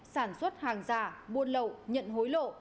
sản xuất hàng giả buôn lậu nhận hối lộ